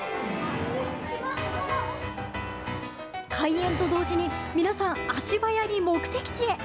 開園と同時に皆さん足早に目的地へ。